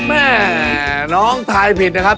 แม่น้องทายผิดนะครับ